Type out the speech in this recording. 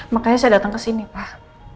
makanya saya datang kesini pak